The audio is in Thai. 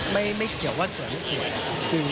ไม่เกี่ยวว่าสวยไม่สวย